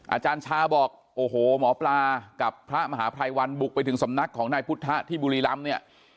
อาจารย์ชาบอกโอ้โหหมอปลากับพระมหาภัยวันบุกไปถึงสำนักของนายพุทธที่บุรีรำเนี่ย